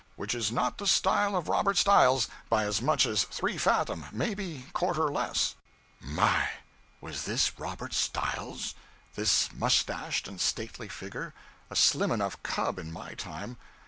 Which is not the style of Robert Styles, by as much as three fathom maybe quarter less.' [My! Was this Rob Styles? This mustached and stately figure? A slim enough cub, in my time.